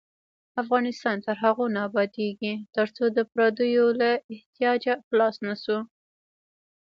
افغانستان تر هغو نه ابادیږي، ترڅو د پردیو له احتیاجه خلاص نشو.